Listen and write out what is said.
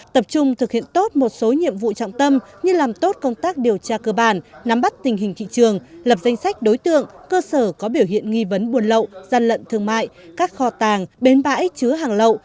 tập trung thực hiện tốt một số nhiệm vụ trọng tâm như làm tốt công tác điều tra cơ bản nắm bắt tình hình thị trường lập danh sách đối tượng cơ sở có biểu hiện nghi vấn buôn lậu gian lận thương mại các kho tàng bến bãi chứa hàng lậu